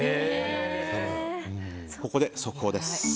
ここで速報です。